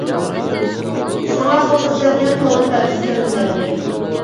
شۇڭا بۇ پۇرسەتنى قولدىن بەرگۈسى كەلمىگەنىدى.